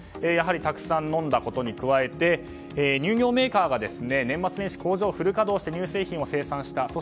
やはりたくさん飲んだことに加えて乳業メーカーが年末年始工場をフル稼働して乳製品を生産した。